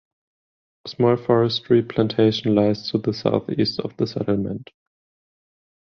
A small forestry plantation lies to the southeast of the settlement.